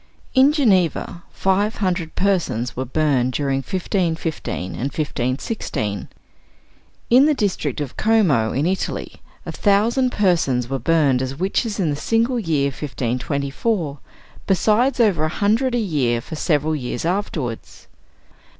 In Geneva, five hundred persons were burned during 1515 and 1516. In the district of Como in Italy, a thousand persons were burned as witches in the single year 1524, besides over a hundred a year for several years afterwards.